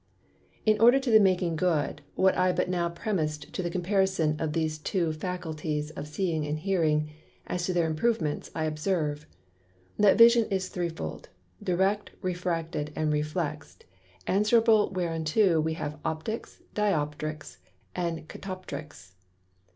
In order to the making good what I but now premised of the Comparison of these two Faculties of Seeing and Hearing, as to their Improvements, I observe; That Vision is threefold, Direct, Refracted, and Reflex'd; answerable whereunto we have Opticks, Dioptricks, and Catoptricks.